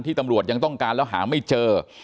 ตำรวจยังต้องการแล้วหาไม่เจอ